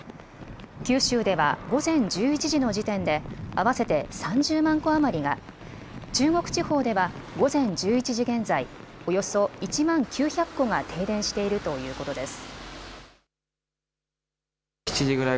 九州では午前１１時の時点で合わせて３０万戸余りが、中国地方では午前１１時現在、およそ１万９００戸が停電しているということです。